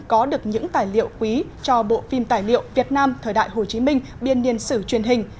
có được những tài liệu quý cho bộ phim tài liệu việt nam thời đại hồ chí minh biên niên sử truyền hình